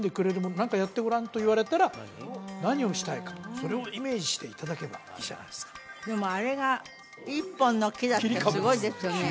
何かやってごらんと言われたら何をしたいかそれをイメージしていただければいいじゃないですかでもあれが１本の木だってすごいですよね